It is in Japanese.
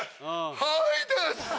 はいです！